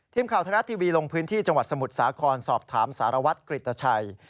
ทีมข่าวไทยรัฐทีวีลงพื้นที่จังหวัดสมุทรสาครสอบถามสารวัตรกริตชัย